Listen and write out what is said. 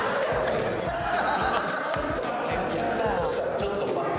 ちょっと待って。